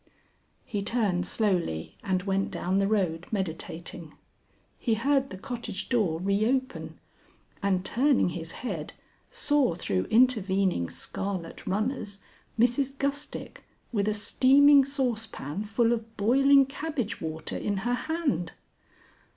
He turned slowly and went down the road meditating. He heard the cottage door re open, and turning his head, saw through intervening scarlet runners Mrs Gustick with a steaming saucepan full of boiling cabbage water in her hand.